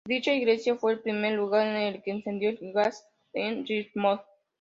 Dicha iglesia fue el primer lugar en el que encendió el gas en Richmond.